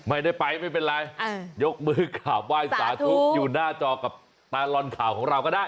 ไม่ได้ไปไม่เป็นไรยกมือกราบไหว้สาธุอยู่หน้าจอกับตาลอนข่าวของเราก็ได้